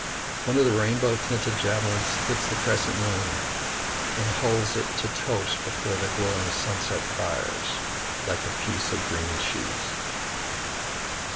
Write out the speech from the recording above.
one of the rainbow tinted javelins spits the crescent moon and holds it to toast before the glowing sunset fires, like a piece of green cheese.